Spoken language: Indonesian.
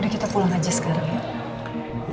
kita pulang aja sekarang ya